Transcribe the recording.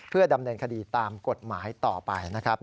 เพื่อดำเนินคดีตามกฎหมายต่อไปนะครับ